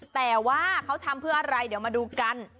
แต่ว่าเขาทำเพื่ออะไรเดี๋ยวมาดูกัน